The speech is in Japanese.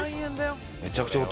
めちゃくちゃお得。